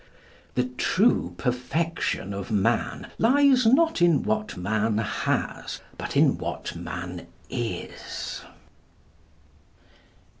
The true perfection of man lies, not in what man has, but in what man is.